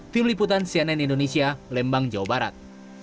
tim liputan cnn indonesia lembang jawa barat